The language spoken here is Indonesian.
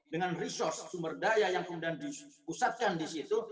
dengan sumber daya yang kemudian dikhususkan di situ